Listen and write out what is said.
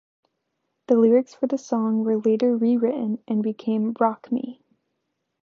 The lyrics for the song were later re-written and became "Rock Me".